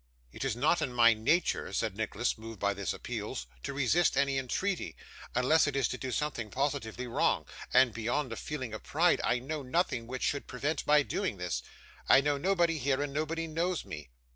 'It is not in my nature,' said Nicholas, moved by these appeals, 'to resist any entreaty, unless it is to do something positively wrong; and, beyond a feeling of pride, I know nothing which should prevent my doing this. I know nobody here, and nobody knows me.